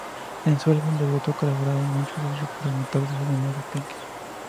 En su álbum debut colaboraban muchos raperos notables, además de Pink.